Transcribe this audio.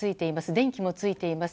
電気もついています。